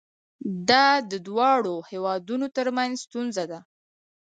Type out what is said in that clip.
دا د دواړو هیوادونو ترمنځ ستونزه ده.